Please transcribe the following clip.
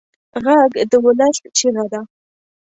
غږ د ولس چیغه ده